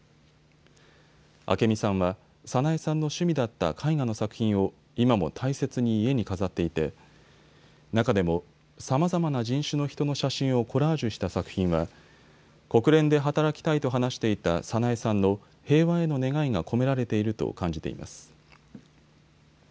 明美さんは早苗さんの趣味だった絵画の作品を今も大切に家に飾っていて中でも、さまざまな人種の人の写真をコラージュした作品は国連で働きたいと話していた早苗さんの平和への願いが込められていると感じています。